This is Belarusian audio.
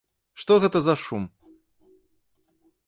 Што гэта за шум?